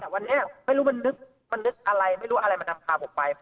แต่วันนี้ไม่รู้มันนึกอะไรไม่รู้อะไรมานำพาผมไป